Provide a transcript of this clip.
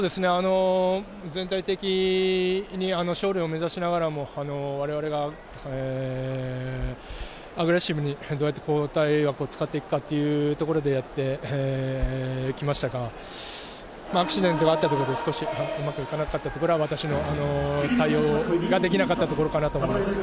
全体的に勝利を目指しながらも、我々がアグレッシブにどうやって交代枠を使っていくかっていうところで、やってきましたが、アクシデントがあったということで少しうまくいかなかったところは私の対応ができなかったところかなと思います。